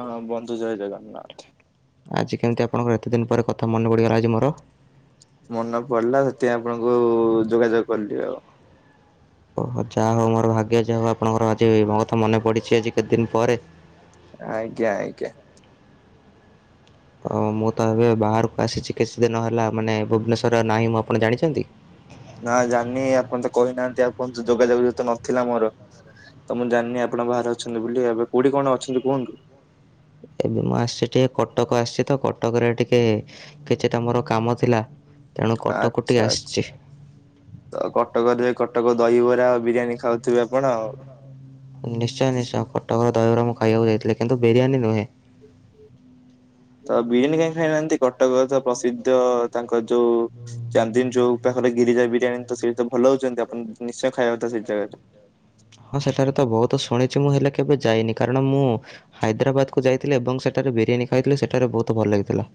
ହଁ ବନ୍ଧୁ ଜୟ ଜଗନ୍ନାଥ। ଆଜି କେମିତି ଆପଣଙ୍କର ଏତେ ଦିନ ପରେ କଥା ମନେ ପଡ଼ିଗଲା ଆଜି ମୋର। ମନେ ପଡିଲା ସେଥିପାଇଁ ଆପଣଙ୍କୁ ଯୋଗାଯୋଗ କଲିି ଟିକେ ଆଉ। ଓହୋ ଯାହା ହଉ ମୋର ଭାଗ୍ୟ ଯାହା ହଉ ଆପଣଙ୍କର ଆଜି ମୋ କଥା ମନେ ପଡିଛି ଆଜି କେତେ ଦିନ ପରେ। ଆଜ୍ଞା ଆଜ୍ଞା। [inaudible] ମୁଁ ତ ଏବେ ବାହାରକୁ ଆସିଛି। କିଛି ଦିନ ହେଲା ମାନେ ଭୁବନେଶ୍ଵର ନାହିଁ ମୁଁ ଆପଣ ଜାଣିଛନ୍ତି? ନା ଜାଣିନି ଆପଣ ତ କହିନାହାନ୍ତି ଆପଣ ତ ଯୋଗାଯୋଗ ଯେହେତୁ ନଥିଲା ମୋର। ତ ମୁଁ ଜାଣିନି ଆପଣଙ୍କ ବାହାରେ ଅଛନ୍ତି ବୋଲି ଏବେ କୋଉଠି କଣ ଅଛନ୍ତି କୁହନ୍ତୁ? କଟକ ଆସିଛି ତ କଟକରେ ଟିକେ କିଛିଟା ମୋର କାମ ଥିଲା। ଆଛା ଆଛା କଟକରେ ଯେ କଟକ ଦହିବରା ବିରିୟାନୀ ଖାଉଥିବେ ଆପଣ ଆଉ। ନିଶ୍ଚୟ ନିଶ୍ଚୟ କଟକର ଦହିବରା ମୁଁ ଖାଇବାକୁ ଯାଇଥିଲି କିନ୍ତୁ ବିରିୟାନୀ ନୁହେଁ। [inaudible] ତ ବିରିୟାନୀ କାହିଁକି ଖାଇନାହାନ୍ତି କଟକ ପ୍ରସିଦ୍ଧ ତାଙ୍କ ଯୋଉ ଚାନ୍ଦିନି ଯୋଉ ପାଖ ଗିରିଜା ବିରିୟାନୀ ତ ସେଇଠି ତ ଭଲ ହଉଛନ୍ତି। ଆପଣ ନିଶ୍ଚୟ ଖାଇବା କଥା ସେଇ ଜାଗାରେ। ହଁ ସେଠାରେ ତ ବହୁତ ଶୁଣିଛି ମୁଁ ହେଲେ କେବେ ଯାଇନି କାରଣ ମୁଁ ହାଇଦ୍ରାବାଦକୁ ଯାଇଥିଲି ଏବଂ ସେଠାରେ ବିରିୟାନୀ ଖାଇଥିଲି ସେଠାରେ ବହୁତ ଭଲ ଲାଗିଥିଲା।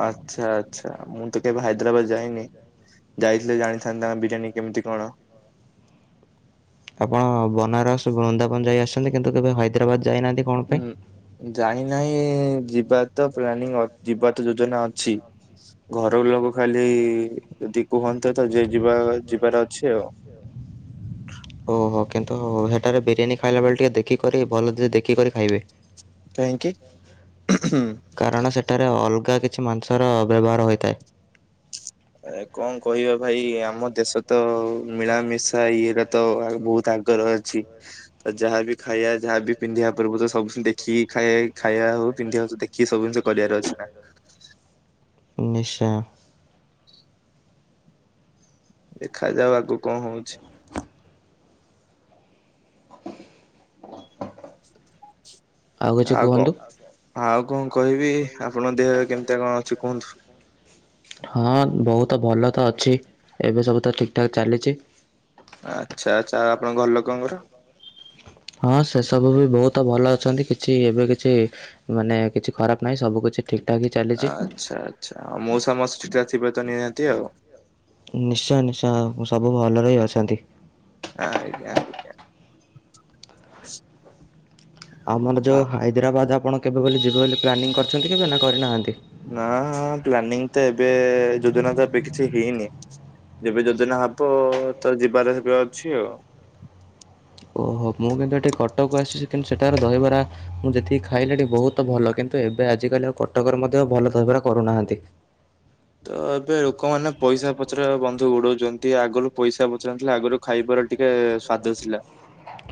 ଆଚ୍ଛା ଆଚ୍ଛା ମୁଁ ତ କେବେ ହାଇଦ୍ରାବାଦ ଯାଇନି ଯାଇଥିଲେ ଜାଣିଥାନ୍ତାଙ୍କ ବିରିୟାନୀ କେମିତି କଣ? ଆପଣ ବନାରସ ବୃନ୍ଦାବନ ଯାଇ ଆସଛନ୍ତି କିନ୍ତୁ କେବେ ହାଇଦ୍ରାବାଦ ହୁଁ ଜାଣି ନାହିଁ ଯିବା ତ ପ୍ଲାନିଂ ଅ ଯିବାତ ଯୋଜନା ଅଛି ତ ଘର ଲୋକ ଖାଲି ଯଦି କୁହନ୍ତେ ତ ଯ ଯିବା ଯିବାର ଅଛି ଆଉ। [inaudible] କିନ୍ତୁ ସେଠାରେ ବିରିୟାନୀ ଖାଇଲାବେଳେ ଟିକେ ଦେଖିକରି ଭଲ ଯେ ଦେଖିକରି ଖାଇବେ କାରଣ ସେଠାରେ ଅଲଗା କିଛି ମାଂସର ବ୍ୟବହାର ହୋଇଥାଏ। କଣ କହିବା ଭାଇ ଆମ ଦେଶ ତ ମିଳାମିଶା ଇଏଟା ତ ବହୁତ ତାଙ୍କର ଅଛି ତ ଯାହାବି ଖାଇବା ଯାହାବି ପିନ୍ଧିବା ପୂର୍ବରୁ ତ ସବୁ ଦେଖିକି ଖାଇ ଖାଇବା। ପିନ୍ଧି ଆଉଛୁ ଦେଖିକି ସବୁ ଜିନିଷ କରିବାର ଅଛି ନା ନିଶ୍ଚୟ। ଦେଖାଯାଉ ଆଗକୁ କଣ ହଉଛି ଆଉ କଣ ଆଉ କଣ କହିବି ଆପଣଙ୍କ ଦେହ ଏବେ କେମ ମିତି କଣ ଅଛି କୁହନ୍ତୁ? ହଁ ବହୁତ ଭଲ ତ ଅଛି ଏବେ ସବୁ ତ ଠିକ ଠାକ ଚାଲିଛି। ଆଚ୍ଛା ଆଛା ଆଉ ଆପଣଙ୍କ ଘର ଲୋକଙ୍କର ହଁ ସେ ସବୁ ବି ବହୁତ ଭଲ ଅଛନ୍ତି କିଛି ଏବେ କିଛି ମାନେ କିଛି ଖରାପ ନାହିଁ ସବୁ କିଛି ଆଚ୍ଛା ଆଚ୍ଛା ମଉସା ମାଉସୀ ଠିକଠାକ୍ ଥିବେ ତ ନିହାନ୍ତି ଆଉ। ନିଶ୍ଚୟ ନିଶ୍ଚୟ ସବୁ ଭଲରେ ହିଁ ଅଛନ୍ତି। ଆଜ୍ଞା ଆଜ୍ଞା। ଆମର ଯେଉଁ ହାଇଦ୍ରାବାଦ ଆପଣ କେବେ ବୋଲି ଯିବେ ବୋଲି ପ୍ଲାନିଂ କରିଛନ୍ତି କେବେ ନା କରିନାହାନ୍ତି? ନା ପ୍ଲାନିଂ ତ ଏବେ ଯୋଜନା ତ ଏବେ କିଛି ହେଇନି। ଯେବେ ଯୋଉ ଦିିନ ହବ ତ ଯିବାର ସେବେ ଅଛି ଆଉ ଓହୋ ମୁଁ କିନ୍ତୁ ଏଠି କଟକ ଆସିଛି କିନ୍ତୁ ସେଠ ସେଠାର ଦହିବାର ମୁଁ ଯେତିକି ଖାଇଲେଣି ବହୁତ ଭଲ କିନ୍ତୁ ଏବେ ଆଜିକାଲି କଟକରେ ମଧ୍ୟ ଭଲ ଦହିବାର କରୁ ନାହାନ୍ତି। ବନ୍ଧୁ ଉଡଉଛନ୍ତି ଆଗରୁ ପଇସା ପଚାରୁ ନଥିଲା ଆଗରୁ ଖାଇବାର ଟିକେ ସ୍ଵାଦ ଥିଲା।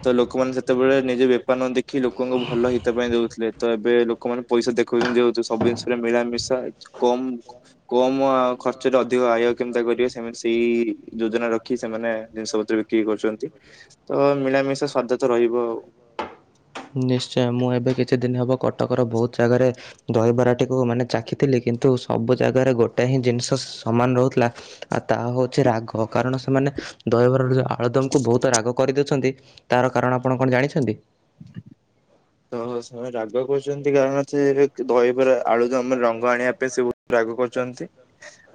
ତ ଲୋକମାନେ ସେତେବେଳେ ନିଜେ ବେପାର ନ ଦେଖି ଆଖି ଲୋକଙ୍କୁ ଭଲ ହିତ ପାଇଁ ଦଉଥିଲେ ତ ଏବେ ଲୋକମାନେ ପଇସା ଦେଖଉଛନ୍ତି ବହୁତ୍ ସବୁ ଜିନିଷ ରେ ମିଳାମିଶା କମ କମ ଖ [unintelligible] ଅଧିକ ଆୟ କେମିତା କରିବେ ସେମାନେତ ସେଇ ଯୋଜନା ରଖି ସେମାନେ ଜିନିଷ ପତ୍ର ବିକ୍ରି କରୁଛନ୍ତି। ନିଶ୍ଚୟ ମୁଁ ଏବେ କିଛି ଦିନ ହବ କ କଟକର ବହୁତ ଜାଗାରେ ଦହିବରାଟିକୁ ମାନେ ଚାଖିଥିଲି କିନ୍ତୁ ସବୁ ଜାଗାରେ ଗୋଟେ ହିଁ ଜିନିଷ ସମାନ ରହୁଥିଲା। ଆଉ ତାହା ହଉଛି ରାଗ କାରଣ ସେମାନେ ଦହିବରାରେ ଯୋଉ ଆଳୁଦମକୁ ବହୁତ ରାଗ କରିଦଉଛନ୍ତି ତାର କାରଣ ଆପଣ କଣ ଜାଣିଛନ୍ତି? ତ ସେମାନେ ରାଗ କରୁଛନ୍ତି କାରଣ ସେ ଦହିବରା ଆଳୁଦମର ରଙ୍ଗ ଆଣିବା ପାଇଁ ସେ [unintelligible] କରୁଛନ୍ତି।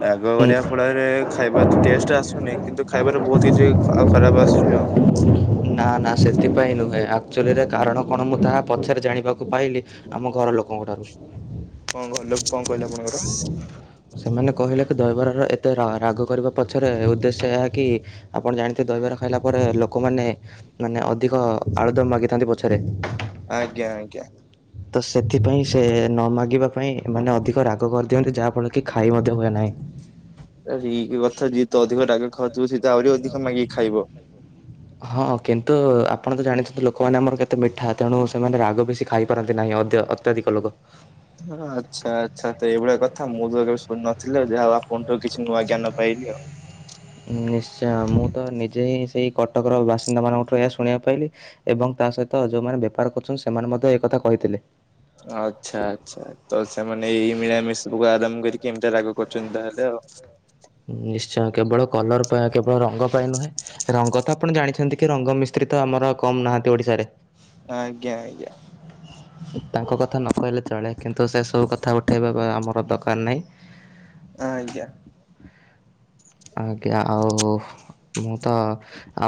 ରାଗ କରିବା ଫଳରେ ଖାଇବ ତ ଟେଷ୍ଟ ଆସୁନି କିନ୍ତୁ ଖାଇବାରେ ବହୁତ କିଛି ଖରାପ ଆସୁଛି ଆଉ ନା ନା ସେଥିପାଇଁ ନୁହେଁ ଆକ୍ଚୁଲିରେ କାରଣ କଣ ମୁଁ ତାହା ପଛରେ ଜାଣିବାକୁ ପାଇଲି ଆମ ଘର ଲୋକଙ୍କ ଠାରୁ କଣ କହିଲ କଣ କହିଲେ ଆପଣଙ୍କର ସେମାନେ କହିଲେ କି ଦହିବରାର ଏତେ ରାଗ କରିବା ପଛରେ ଉଦ୍ଦେଶ୍ୟ ଏହା କି ଆପଣ ଜାଣିଥେ ଦ ଖାଇଲା ପରେ ଲୋକମାନେ ମାନେ ଅଧିକ ଆଳୁଦ ମାଗିଥାନ୍ତି ପଛରେ ଆଜ୍ଞା ଆଜ୍ଞା ତ ସେଥିପାଇଁ ସେ ନ ମାଗିବା ପାଇଁ ମାନେ ଅଧିକ ରାଗ କରିଦିଅନ୍ତି ଯାହା ଫଳ କି ଖାଇ ମଧ୍ୟ ହୁଏ ନାହିଁ ଏଇ କଥା ଯିଏତ ଅଧିକ ଖାଉ ଥିବ ସେଏତ ଆହୁରି ଅଧିକ ମାଗିକି ଖାଇବ। ହଁ କିନ୍ତୁ ଆପଣ ତ ଜାଣିଛନ୍ତି ଲୋକମାନେ ଆମର କେତେ ମିଠା ତେଣୁ ସେମାନେ ରାଗ ବେଶୀ ଖାଇ ପାରନ୍ତି ନାହିଁ ଅ ଅତ୍ୟଧିକ ଲୋକ ହଁ ଆଚ୍ଛା ଆଚ୍ଛା ତ ଏଇଭଳିଆ କଥା ମୁଁ ତ କେବେ ଶୁଣି ନଥିଲି ଯାହାଉ ଆଣଙ୍କଠୁ କିଛି ନୂଆ ଜ୍ଞାନ ପାଇଲି। [inaudible] ନିଶ୍ଚୟ ମୁଁ ତ ନିଜେ ହିଁ ସେଇ କଟକର ବାସିନ୍ଦା ମାନଙ୍କଠୁ ଏହା ଶୁଣିବାକୁ ପାଇଲି ଏବଂ ତା ସହିତ ଯୋଉମାନେ ବେପାର କରୁଛନ୍ତି ସେମାନେ ମଧ୍ୟ ଏ କଥା କହିଥିଲେ ଆଚ୍ଛା ଆଚ୍ଛା ତ ସେମାନେ ଏଇ ମିଳାମିଶବୁକୁ ଆରାମ କରିକି କେମିତି ରାଗ କରି ଚିନ୍ତା ହେଲେ ଆଉ। କଲର କେବଳ ରଙ୍ଗ ପାଇଁ ନୁହେଁ ରଙ୍ଗ ତ ଆପଣ ଜାଣିଛନ୍ତି କି ରଙ୍ଗ ମିସ୍ତ୍ରୀ ତ ଆମର କମ ନାହାନ୍ତି ଓଡିଶାରେ ଆଜ୍ଞା ଆଜ୍ଞା। ତାଙ୍କ କଥା ନ କହିଲେ ଚଳେ କିନ୍ତୁ ସେସବୁ କଥା ଉଠାଇବା ଆମର ଦରକାର ନାହିଁ। ହ ଆଜ୍ଞା। ଆଜ୍ଞା ଆଉ ମୁଁ ତ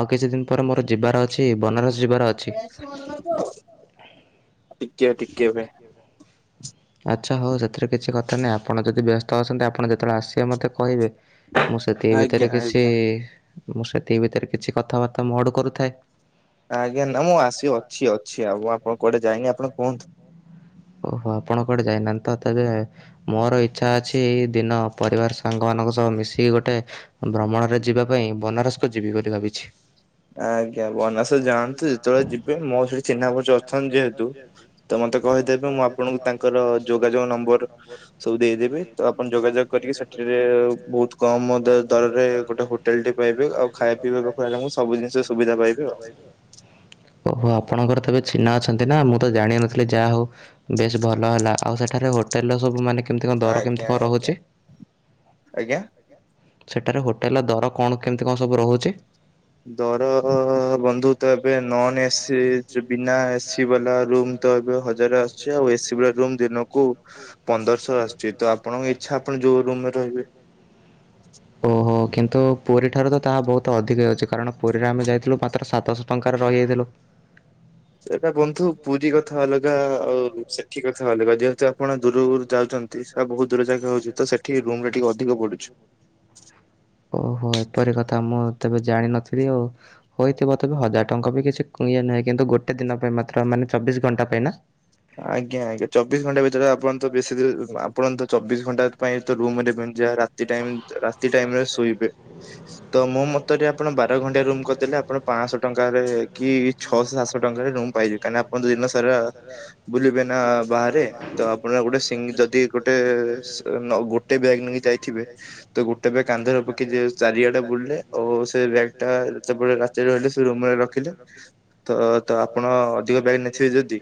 ଆଉ କିଛି ଦିନ ପରେ ମୋର ଯିବାର ଅଛି ବନାରସ ଯିବାର ଅଛି। ଟଠିକେ ଟଠିକେ ଭାଇ ଆଚ୍ଛା ହଉ ସେଥିରେ କିଛି କଥା ନାହିଁ ଆପଣ ଯଦି ବ୍ୟସ୍ତ ଅସଛନ୍ତି ଆପଣ ଯେତେବେଳେ ଆସିବେ ମୋତେ କହିବେ। ମୁଁ ସେଥି ଏ ଭିତରେ କିଛି ମୁଁ ସେଥି ଭିତରେ କିଛି କଥାବାର୍ତ୍ତା। କରୁଥାଏ। ଆଜ୍ଞା ନା ମୁଁ ଆସିିବି ଅଛି ଅଛି ଆଉ ଆପଣ କୁଆଡେ ଯାଇନି ଆପଣ କୁହନ୍ତୁ। ଓହ। ଆପଣ କୁଆଡେ ଯାଇନାହାନ୍ତି ତ ତେବେ ମୋର ଇଚ୍ଛା ଅଛି ଏଇ ଦିନ ପରିବାର ସାଙ୍ଗ ମାନଙ୍କ ସହ ମିଶିକି ଗୋଟେ ଭ୍ରମଣରେ ଯିବା ପାଇଁ ବନାରସକୁ ଯିବି ବୋଲି ଭାବିଛି ଆଜ୍ଞା ବନାସର ଯାଆନ୍ତୁ ଯେତେବେଳେ ଯିବେ ମୋର ସେଠି ଚିହ୍ନା ପଚ ଅଛନ୍ତି ଯେହେତୁ ତ ମତେ କହିଦେବେ ମୁଁ ଆପଣଙ୍କୁ ତାଙ୍କର ଯୋଗାଯୋଗ ନମ୍ବର ସବୁ ଦେଇଦେବେ ତ ଆପଣ ଯୋଗାଯୋଗ କରିକି ସେଠରେ ବହୁତ କମ ଦରରେ ଗୋଟେ ହୋଟେଲ ଟି ପାଇବେ ଆଉ ଖାଇବା ପିଇବା ପ ଖାଇଙ୍କୁ ଓହ ଆପଣଙ୍କର ତେବେ ଚଛିହ୍ନା ଅ ମୁଁ ତ ଜାଣ ନଥିଲି ଯାହା ହଉ ବେଶ ଭଲ ହେଲା ଆଉ ସେଠାରେ ହୋଟେଲ ସବୁ ମାନେ କେମତି କଣ ଦର କେମତି କଣ ରହୁଛି? ସେଠାରେ ହୋଟେଲ ର ଦର କଣ କେମିତି କଣ ସବୁ ରହୁଛି? ଧର ବନ୍ଧୁ ତ ଏବେ ନନ୍ ଏସି ବିନା ଏସି ବାଲା ରୁ ହଜ ଆସୁଛି ଆଉ ଏସି ଭଳି ରୁ ଦିନକୁ ପନ୍ଦରଶହ ଆସୁଛି ତ ଆପଣଙ୍କ ଆଚ୍ଛାପଣ ଯଉ ରୁମେ ରହିବେ ଓହୋ କିନ୍ତୁ ପୁରୀ ଠାରୁ ତ ତାହା ବହୁତ ଅଧିକ ହୋଉଛି କାରଣ ପୁରୀରେ ଆମେ ଯାଇଥିଲୁ ମାତ୍ର ସାତଶହ ଟଙ୍କାର ରଗାଇଥିଲୁ। ସେଇଟା ବନ୍ଧୁ ପୁରୀ କଥା ଅଲଗା ଆଉ ସେଠି କଥା ଅଲଗା ଯେହେତୁ ଆପଣ ଦୂର ଯାଉଛନ୍ତି ସେ ବହୁତ ଦୂର ଯାଗା ହଉଛି ତ ସେଠି ରୁମ ରେ ଟିକେ ଅଧିକ ପଡୁଛି। ଓହୋ ଏପରି କଥା ମୁଁ ତେବେ ଜାଣିନଥିଲି ଆଉ ହେଥିବ ତବେ ହଜାର ଟଙ୍କା ବି କିଛି ଇଏ ନୁହେଁ କିନ୍ତୁ ଗୋଟେ ଦିନ ପାଇଁ ମାତ୍ରାନେ ଚବିଶ ଘଣ୍ଟା ପାଇଁ ନା ଆଜ୍ଞା ଆଜ୍ଞା ଚବିଶ ଘଣ୍ଟା ଭିତରେ ଆପଣ ବେଶୀ ଦୀରେ ଆପଣ ତ ଚବିଶ ା ରୁମରେ ଯା ରା ଟାଇମରେ ଶୋଇବେ ତ ମୁୋ ମତ ଆପଣ ବାର ଘଣ୍ଟା ରୁମ୍ କରିଦେଲେ ଆପଣ ପାଂସ ଟଙ୍କାରେ କି ଛଅଶହ ସାତଶହ ଟଙ୍କାରେ ରୁମ୍ ପାଇ ଯାଇଥାନ୍ତେ ଆପଣ ଦିନ ସାରା ବୁଲିବେ ନା ବାହାରେ ତ ଆପଣ ଗୋଟେ ସିଂ ଯଦି ଗୋଟେ ଗୋଟେ ବ୍ୟାଗ ନେଇ ଯାଇଥିବେ ତ ଗୋଟେ ବ୍ୟାଗ୍ କାନ୍ଧରେ ପକେଇ ଚାରିଆଡେ ବୁଲିଲେ ଆଉ ସେ ବ୍ୟାଗ୍ ଟା ସେପଟେ ରାତିରେ ରହିଲେ ସେ ରୁମ୍ ରେ ରଖିଲେ ତ ତ ଆପଣ ଅଧିକ ବ୍ୟାଗ୍ ନେଇଥିବେ ଯଦି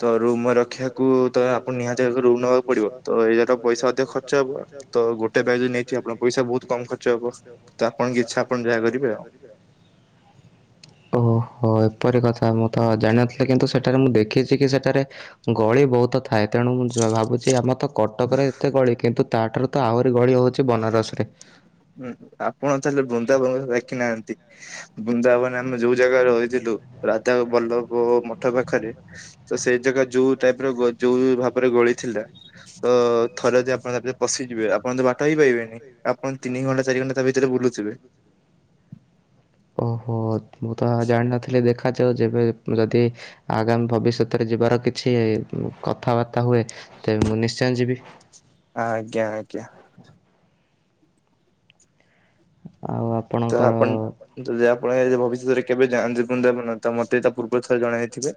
ତ ମ ରଖିବାକୁ ତ ଆପଣ ନିହାତି ରୁମ୍ ନବାକୁ ପଡିବ ତ ଏ ଯା ପଇସା ଅଧିକ ଖର୍ଚ୍ଚ ହବ ତ ଗୋଟ୍ ତ ଗୋଟେ ବ୍ୟାଗ୍ ଯଦି ନେଇଥିବେ ଆପଣଙ୍କ ପଇସା ବହୁତ୍ କମ୍ ଖର୍ଚ୍ଚ ହବ ତ ଆପଣଙ୍କ ଇଚ୍ଛା ଆପଣ ଯା କରିବେ ଅ। ଓହୋ ଏପରି କଥା ମୁଁ ତ ଜାଣିନଥିଲି କି କିନ୍ତୁ ସେଠାରେ ମୁଁ ଦେଖିଛି କି ସେଠାରେ ଗଳି ବହୁତ ଥାଏ ତେଣୁ ମୁଁ ଭାବୁଛି ଆମ ତ କଟକରେ ଏତେ ଗଳି କିନ୍ତୁ ତାଠାରୁ ତ ଆହୁରି ଗଳି ହୋଉ ହୁଁ ଆପଣ ତାହେଲେ ବୃନ୍ଦାବନ ଦେଖିନାହାନ୍ତି। ବୃନ୍ଦାବନରେ ଆମେ ଯୋଉ ଜାଗାରେ ରହିଥିଲୁ ରାଧା ବଲ୍ଲଭ ମଠ ପାଖରେ। ତ ସେଇ ଜାଗା ଯୋଉ ଟାଇପ୍ ର ଗ ଯୋଉ ଭାବରେ ଗଳିଥିଲା। ତ ଥରେ ଯଦି ଆପଣ ତାପରେ ପଶିଯିବେ ଆପଣ ତ ବାଟ ବି ପାଇବେ ନି ଆପଣ ତିନି ଘଣ୍ଟା ଚାରି ଘଣ୍ଟା ତା ଭିତରେ ବୁଲୁଥିବେ। ଓହୋ ମୁଁ ତ ଜାଣିନଥିଲି ଦେଖ୍ ଖାଯାଉ ଯେବେ ଯଦି ଆଗାମୀ ଭବିଷ୍ୟତରେ ଯିବାର କିଛି କଥାବାର୍ତ୍ତା ହୁଏ। ତେବେ ମୁଁ ନିଶ୍ଚୟ ଯିବି। ଆଜ୍ଞା ଆଜ୍ଞା। ତ ଆପଣ ଯଦି ଆ ପଣ ଯଦି ଭବିଷ୍ୟତରେ କେବେ ଯାଆନ୍ତି ବୃନ୍ଦାବନ ତ ମତେ ତା ପୂର୍ବ ଥର ଜଣାଇ ଥିବେ।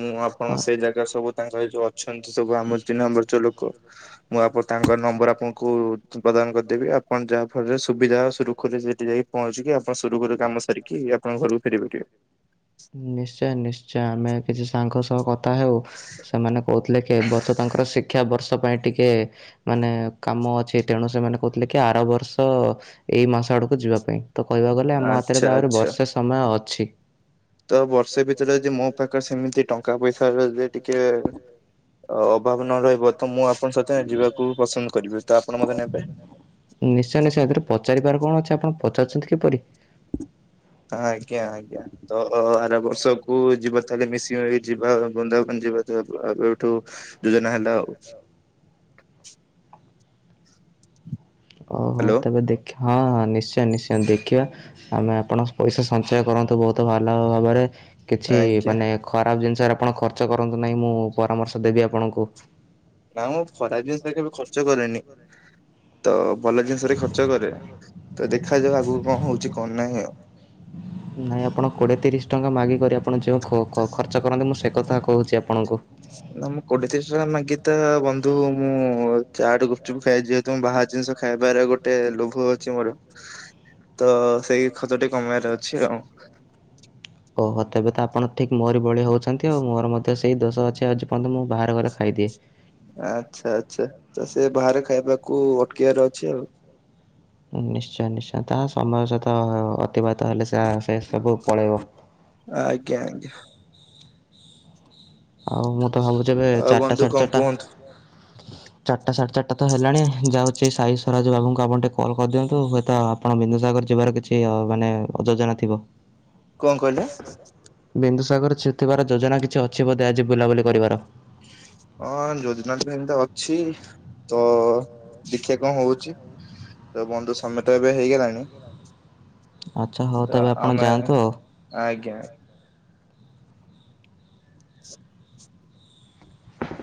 ମୁଁ ଆପଣ ସେଇ ଜାଗା ସବୁ ତାଙ୍କର ଏଇ ଯୋଉ ଅଛନ୍ତି ସବୁ ଆମର ଚିହ୍ନା ପରିଚୟ ଲୋକ ମୁଁ ଆପ ତାଙ୍କ ନମ୍ବର ଆପଣଙ୍କୁ ପ୍ର ଦାନ କରିଦେବି ଆପଣ ଯାହା ଫଳରେ ସୁବିଧା ସୁରୁଖୁରୁରେ ସେ ଠି ଯାଇକି ପହଞ୍ଚିକି ଆପଣ ସୁରୁଖୁରୁରେ କାମ ସାରିକି ଆପଣଙ୍କ ଘରକୁ ଫେରି ପାରିବେ। ନିଶ୍ଚୟ ନିଶ୍ଚୟ ଆମେ କିଛି ସାଙ୍ଗ ସହ କ ଥା ହେଉ ସେମାନେ କହୁଥିଲେ କି ଏ ବର୍ଷ ତାଙ୍କର ଶିକ୍ଷା ବର୍ଷ ପାଇଁ ଟିକେ ମାନେ କାମ ଅଛି ତେଣୁ ସେମାନେ କହୁଥିଲେ କି ଆର ବର୍ଷ ଏଇ ମାସ ଆଡକୁ ଜି ଯିବା ପାଇଁ ତ କହିବାକୁ ଗଲେ ଆମ ହାତରେ ବି ଆହୁରି ବର୍ଷେ ସମୟ ଅଛି। ତ ବର୍ଷେ ଭିତରେ ଯଦି ମୋ ପାଖରେ ସେମିତି ଟ ଙ୍କା ପଇସା ର ଯେ ଟିକେ ଅଭାବ ନ ରହିବ [inaudible] ନିଶ୍ଚୟ ନିଶ୍ଚୟ ଏଥିରେ ପଚାରିବାର କଣ ଅଛି ଆପଣ ପଚାରୁଛନ୍ତି କିପରି? ହଁ ଆଜ୍ଞା ଆଜ୍ଞା ତ ଆର ବ ଷକୁୁ ଯିବା ତାହେଲେ ମିଶିବା ଏଇ ଯିବା ବୃନ୍ଦାବନ ଯିବା ତ ଆଗ ଏଇଠୁ ଯୋଜନା ହେଲା ଆଉ। [unintelligible] ଓହୋ ତେବେ ଦେଖେ ହଁ ହଁ ନିଶ୍ଚୟ ନିଶ୍ଚୟ ଦେଖିବା ଆମେ ଆପଣ ପଇସା ସଞ୍ଚୟ କରନ୍ତୁ ବହୁତ ଭଲ ଭାବରେ କିଛି ମାନେ ଖରାପ ଜିନିଷରେ ଆପଣ ଖର୍ଚ୍ଚ କରନ୍ତୁ ନାହିଁ ମୁଁ ପରାମର୍ଶ ଦେବି ଆପଣଙ୍କୁ। ନା ମୁଁ ଖରାପ ଜିନିଷରେ କେବେ ଖର୍ଚ୍ଚ କରେନି। ତ ଭଲ ଜିନିଷରେ ଖର୍ଚ୍ଚ କରେ ତ ଦେଖାଯାଉ ଆଗକୁ କଣ ହଉଛି କଣ ନାହିଁ ଆଉ। ନାଇଁ ଆପଣ କୋଡିଏ ତିରିଶ ଟଙ୍କା ମାଗିକରି ଆପଣ ଯଉଁ ଖ-ଖ-ଖର୍ଚ୍ଚ କରନ୍ତି ମୁଁ ସେ କଥା କହୁଛି ଆପଣଙ୍କୁ। ନା ମୁଁ କୋଡିଏ ତିରିଶ ଟଙ୍କା ମାଗିତା ବନ୍ଧୁ ମୁଁ ଚାଟ୍ ଗୁପ୍ ଚୁପ୍ ଖାଏ ଯେହେତୁ ମୁଁ ବାହା ଆ ଜିନିଷ ଖାଇବାର ଗୋଟେ ଲୋଭ ଅଛି ମୋର ତ ସେଇ ଖର୍ଚ୍ଚ ଟି କମେଇବାର ଅଛି ଆଉ। ଓହୋ ତେବେ ତ ଆପଣ ଠିକ ମୋରି ବଳି ହୋଉଛନ୍ତି ଆଉ ମୋର ମଧ୍ୟ ସେଇ ଦୋଷ ଅଛି ଆଜି ପର୍ଯ୍ୟନ୍ତ ମୁଁ ବାହାର ଗଲେ ଖାଇଦିଏ। ଆଚ୍ଛା ଆଚ୍ଛା ତ ସେ ବାହାରେ ଖାଇବାକୁ ଅଟକିବାର ଅଛି ଆଉ। ନିଶ୍ଚୟ ନିଶ୍ଚୟ ତାହା ସମୟ ସହିତ ଅତିବାହିତ ହେଲେ ସା ସେ ସବୁ ପଳେଇବ ଆଜ୍ଞା ଆଜ୍ଞା। ଆଉ ମୁଁ ତ ଭାବୁଛି ଏବେ ଚାରିଟା ସାଢେ ଚାରିଟା ଚାରିଟା ସାଢେ ଚାରିଟା ହଟା ତ ହେଲାଣି ଯାଉଛି ସାଇ ସ୍ୱରାଜ ବାବୁଙ୍କୁ ଆପଣ ଟିକେ କଲ୍ କରିଦିଅନ୍ତୁ, ହୁଏତ ଆପଣ ବିନ୍ଦୁସାଗର ଯିବାର କିଛି ମାନେ ଅଯୋଜନା ଥିବ। କଣ କହିଲେ? କେନ୍ଦୁସାଗର ଥିବାର ଯୋଜନା କିଛି ଅଛି ବୋଧେ ଆଜି ବୁଲାବୁଲି କରିବାର। [inaudible] ହଁ ଯୋଜନା ଟ ଏମିତି ଅଛି ତ ଦେଖିବା କଣ ହଉଛି? ତ ବନ୍ଧୁ ସମେତ ଏବେ ହେଇଗଲାଣି। ତ ଆମେ ଆ ଆଜ୍ଞା।